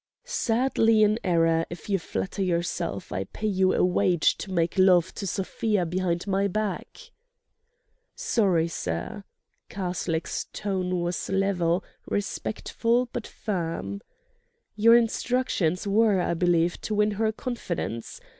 "... sadly in error if you flatter yourself I pay you a wage to make love to Sofia behind my back." "Sorry, sir." Karslake's tone was level, respectful but firm. "Your instructions were, I believe, to win her confidence.